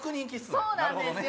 そうなんですよ。